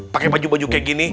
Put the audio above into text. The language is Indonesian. pakai baju baju kayak gini